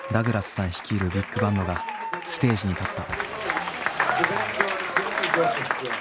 さん率いるビッグバンドがステージに立った。